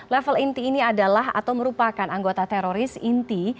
level inti ini adalah atau merupakan anggota teroris inti